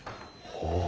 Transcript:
ほう。